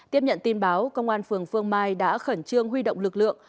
tiếp nhận tin báo công an phường phương mai đã khẩn trương huy động lực lượng